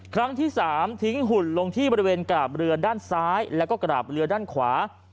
ครั้งที่๓ทิ้งหุ่นลงที่บริเวณกราบเรือด้านซ้ายแล้วก็กราบเรือด้านขวา